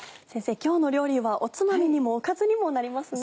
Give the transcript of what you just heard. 今日の料理はおつまみにもおかずにもなりますね。